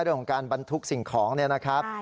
ด้วยของการบรรทุกสิ่งของเนี่ยนะครับ